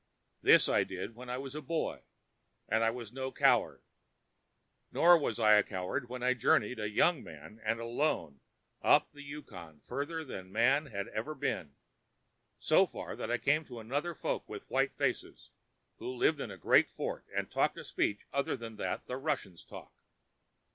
This I did when I was a boy, and I was no coward. Nor was I coward when I journeyed, a young man and alone, up the Yukon farther than man had ever been, so far that I came to another folk, with white faces, who live in a great fort and talk speech other than that the Russians talk.